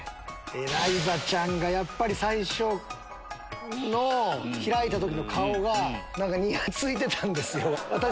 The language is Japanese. エライザちゃんが最初開いた時の顔がニヤついてたんですよ。